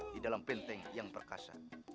di dalam benteng yang perkasa